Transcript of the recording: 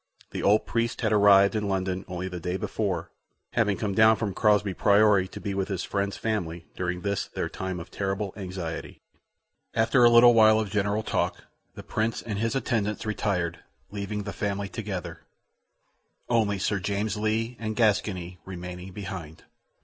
The old priest had arrived in London only the day before, having come down from Crosbey Priory to be with his friend's family during this their time of terrible anxiety. After a little while of general talk, the Prince and his attendants retired, leaving the family together, only Sir James Lee and Gascoyne remaining behind.